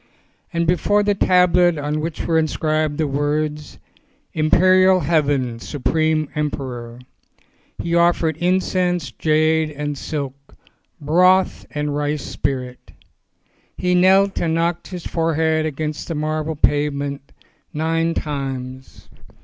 And before the tablet on which were inscribed the words: Imperial Heaven — Supreme Emperor, he offered incense, jade, and silk, broth and rice spirit. He knelt and knocked his fore head against the marble pavement nine times.